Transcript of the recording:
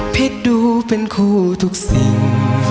ดูเป็นคู่ทุกสิ่ง